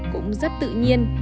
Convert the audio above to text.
cũng rất tự nhiên